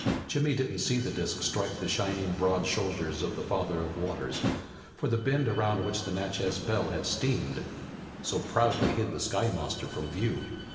Jimmy didn't see the disk strike the shining broad shoulders of the Father of Waters, for the bend around which the Natchez Belle had steamed so proudly hid the sky monster from view.